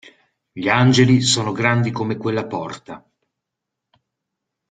Gli angeli sono grandi come quella porta.